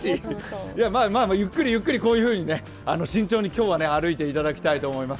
まあ、ゆっくりゆっくり、こういうふうに慎重に今日は歩いていただきたいと思います。